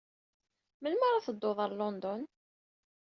Melmi ara teddud ɣer London?